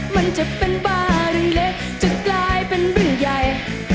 มันจะเป็นบ้านเล็กจะกลายเป็นเรื่องใหญ่